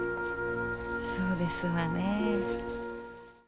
そうですわねえ。